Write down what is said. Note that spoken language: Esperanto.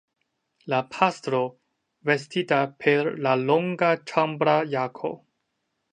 La pastro, vestita per la longa ĉambra jako.